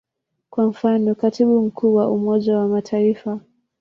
Kwa mfano, Katibu Mkuu wa Umoja wa Mataifa.